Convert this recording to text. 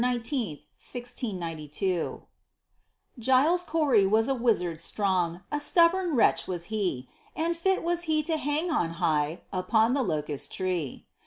GILES COREY [September 19, 1692] Giles Corey was a Wizzard strong, A stubborn wretch was he; And fitt was he to hang on high Upon the Locust tree.